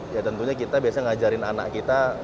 ya tentunya kita biasanya ngajarin anak kita